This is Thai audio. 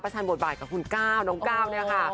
ทันบทบาทกับคุณก้าวน้องก้าวเนี่ยค่ะ